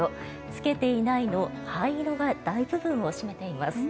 「つけていない」の灰色が大部分を占めています。